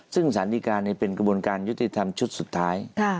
ซึ่งสารดีการเป็นกระบวนการยุติธรรมชุดสุดท้าย